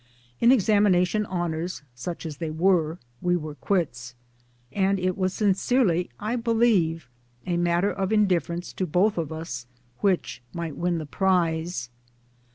In examination honours (such as they were) we were quits, and it was sincerely J believe a matter of indifference to both of us which might win the prize.